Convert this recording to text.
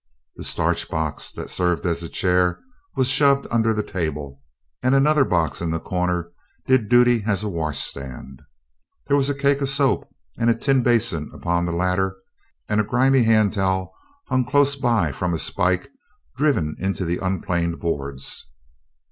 The starch box that served as a chair was shoved under the table, and another box in the corner did duty as a washstand. There was a cake of soap and a tin basin upon the latter and a grimy hand towel hung close by from a spike driven into the unplaned boards.